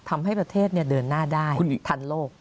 ทำให้ประเทศเดินหน้าได้ทันโลก